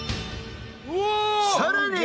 ［さらに］